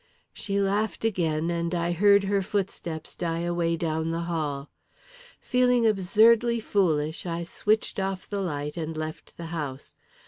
She laughed again, and I heard her footsteps die away down the hall. Feeling absurdly foolish, I switched off the light, and left the house.